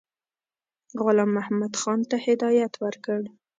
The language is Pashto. غلام محمدخان ته هدایت ورکړ.